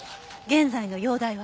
現在の容体は？